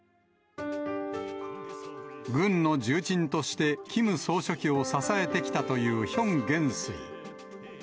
軍の重鎮として、キム総書記を支えてきたというヒョン元帥。